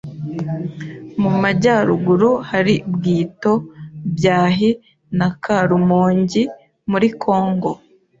Mu majyaruguru, hari BWITO, BYAHI na KARUMONGI muri KONGO.